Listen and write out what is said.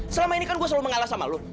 selama ini kan gue selalu mengalah sama lo